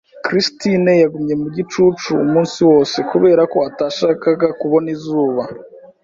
Christine yagumye mu gicucu umunsi wose, kubera ko atashakaga kubona izuba.